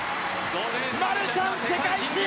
マルシャン、世界新！